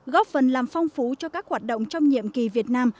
góp phần làm phong phú cho các hoạt động trong nhiệm kỳ việt nam